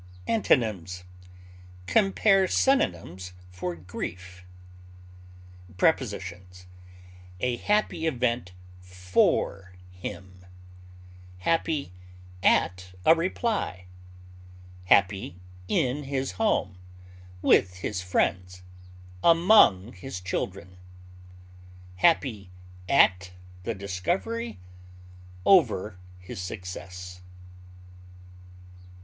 Antonyms: Compare synonyms for GRIEF. Prepositions: A happy event for him; happy at a reply; happy in his home, with his friends, among his children; happy at the discovery, over his success.